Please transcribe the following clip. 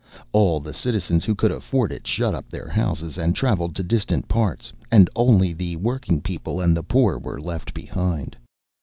All the citizens who could afford it shut up their houses and travelled to distant parts, and only the working people and the poor were left behind.